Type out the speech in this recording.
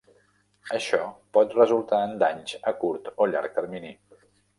Això pot resultar en danys a curt o llarg termini.